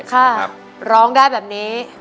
ค่ะร้องได้แบบนี้